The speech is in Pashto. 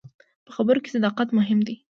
په خبرو کې صداقت مهم دی.